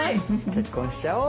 結婚しちゃおう。